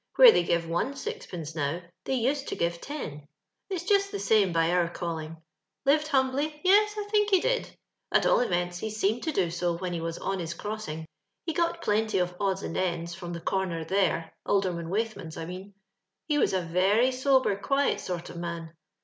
Where they give one sixpence now, they used to give ten. It's just the same by our calling. lived humbly ? Yes, I think he did ; at all events, . he seemed to do so when he was on his cross, ing. He got plenty of odds and ends from the comer Mere * Alderman Waithman's, I mean ; he was a very sober, quiet sort of man.